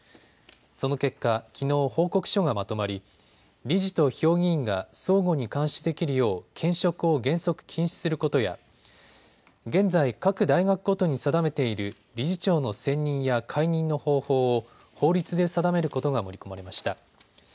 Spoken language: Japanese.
その結果、きのう報告書がまとまり理事と評議員が相互に監視できるよう兼職を原則禁止することや現在、各大学ごとに定めている理事長の選任や解任の方法を法律で定めることが盛り込まれました。